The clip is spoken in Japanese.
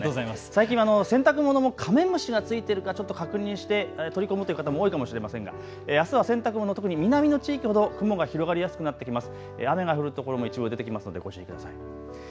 最近は洗濯物もカメムシがついてるかちょっと確認して取り込むという方も多いかもしれませんがあすは洗濯物、特に南の地域ほど雲が広がりやすくなってきます。